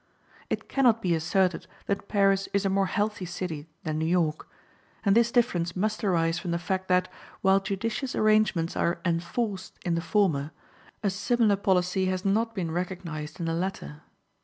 It can not be asserted that Paris is a more healthy city than New York, and this difference must arise from the fact that, while judicious arrangements are enforced in the former, a similar policy has not been recognized in the latter.